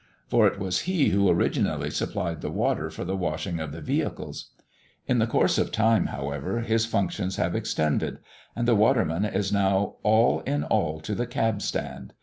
For it was he who originally supplied the water for the washing of the vehicles. In the course of time, however, his functions have extended, and the waterman is now all in all to the cab stand.